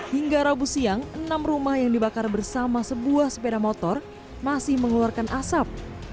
hingga rabu siang enam rumah yang dibakar bersama sebuah sepeda motor masih mengeluarkan asap